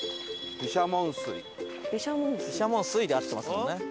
「毘沙門水」「毘沙門水」で合ってますもんね。